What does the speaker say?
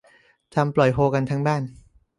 ทำปล่อยโฮกันทั้งบ้าน